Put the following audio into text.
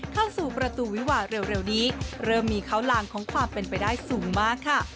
เข้าสู่ประตูวิวาเร็วนี้เริ่มมีข้าวลางของความเป็นไปได้สูงมากค่ะ